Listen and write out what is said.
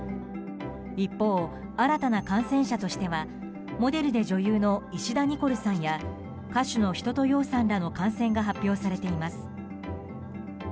一方、新たな感染者としてはモデルで女優の石田ニコルさんや歌手の一青窈さんらの感染が発表されています。